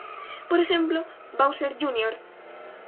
Por ejemplo, Bowser Jr.